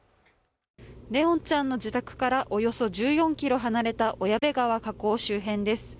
怜音ちゃんの自宅からおよそ１４ｋｍ離れた小矢部川河口周辺です